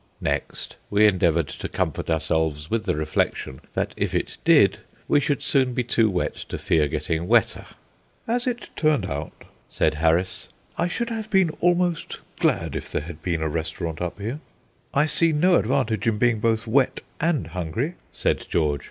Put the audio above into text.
Next, we endeavoured to comfort ourselves with the reflection that if it did we should soon be too wet to fear getting wetter. "As it turned out," said Harris, "I should have been almost glad if there had been a restaurant up here." "I see no advantage in being both wet and hungry," said George.